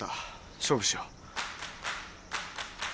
勝負しよう。